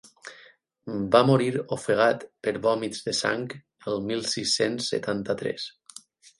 Va morir ofegat per vòmits de sang el mil sis-cents setanta-tres.